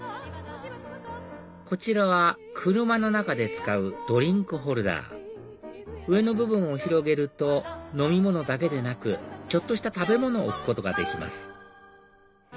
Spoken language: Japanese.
こちらは車の中で使うドリンクホルダー上の部分を広げると飲み物だけでなくちょっとした食べ物を置くことができます